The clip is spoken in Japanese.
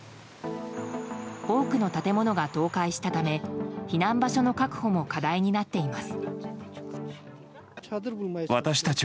多くの建物が倒壊したため避難場所の確保も課題になっています。